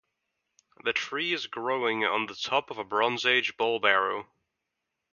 The tree is growing on the top of a Bronze Age Bowl barrow.